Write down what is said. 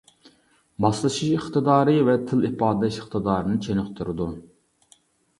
ماسلىشىش ئىقتىدارى ۋە تىل ئىپادىلەش ئىقتىدارىنى چېنىقتۇرىدۇ.